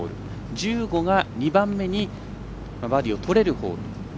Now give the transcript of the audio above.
１５が２番目にバーディーをとれるホール。